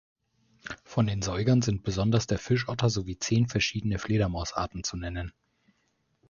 Von den Säugern sind besonders der Fischotter sowie zehn verschiedene Fledermausarten zu nennen.